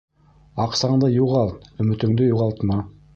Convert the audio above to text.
Аҡсаңды юғалт, өмөтөңдө юғалтма.